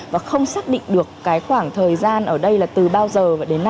và không xác định được cái khoảng thời gian ở đây là từ bao giờ